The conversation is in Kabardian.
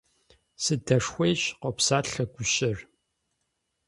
– Сыдэшхуейщ, – къопсалъэ гущэр.